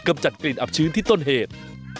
จัดกลิ่นอับชื้นที่ต้นเหตุ